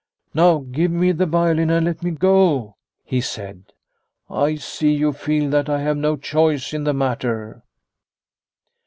" Now give me the violin and let me go," he said. "I see you feel that I have no choice in the matter."